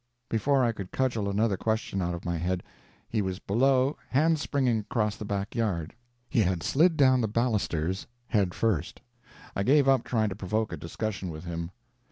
Before I could cudgel another question out of my head, he was below, hand springing across the back yard. He had slid down the balusters, headfirst. I gave up trying to provoke a discussion with him.